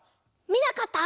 みなかった？